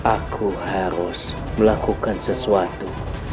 aku harus melakukan sesuatu